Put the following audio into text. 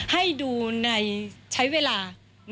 ให้ดูในใช้เวลา